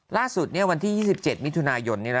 ล่าสุดวันที่๒๗มิถุนายน